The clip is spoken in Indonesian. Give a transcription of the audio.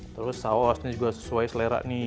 terus saus ini juga sesuai selera nih